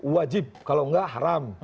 wajib kalau nggak haram